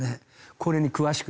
これに詳しく。